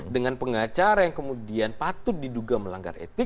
dengan pengacara yang kemudian patut diduga melanggar etik